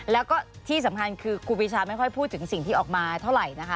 แล้วก็ที่สำคัญคือครูปีชาไม่ค่อยพูดถึงสิ่งที่ออกมาเท่าไหร่นะคะ